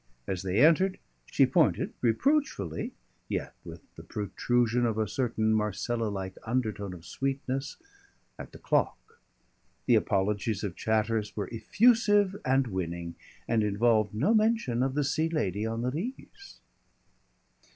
As they entered she pointed reproachfully, yet with the protrusion of a certain Marcella like undertone of sweetness, at the clock. The apologies of Chatteris were effusive and winning, and involved no mention of the Sea Lady on the Leas.